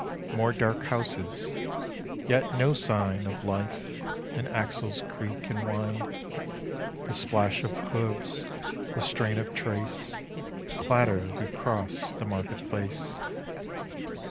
More dark houses, yet no sign Of life.... An axle's creak and whine.... The splash of hooves, the strain of trace.... Clatter: we cross the market place.